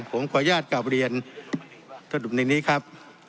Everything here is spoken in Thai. ผมขออนุญาตกลับเรียนสรุปในนี้ครับ